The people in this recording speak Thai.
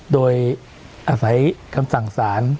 โดยอาศัยคำสั่งสาร